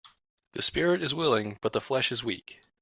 The spirit is willing but the flesh is weak.